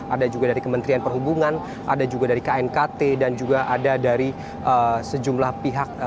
ada juga dari kementerian perhubungan ada juga dari knkt dan juga ada dari sejumlah pihak